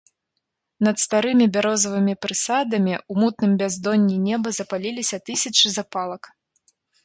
Над старымі бярозавымі прысадамі ў мутным бяздонні неба запаліліся тысячы запалак.